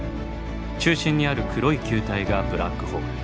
中心にある黒い球体がブラックホール。